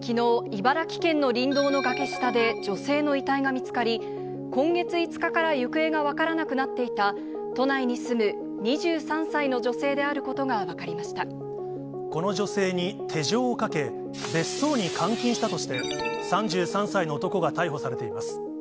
きのう、茨城県の林道の崖下で女性の遺体が見つかり、今月５日から行方が分からなくなっていた都内に住む２３歳の女性この女性に手錠をかけ、別荘に監禁したとして、３３歳の男が逮捕されています。